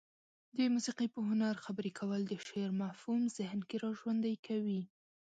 د موسيقي په هنر خبرې کول د شعر مفهوم ذهن کې را ژوندى کوي.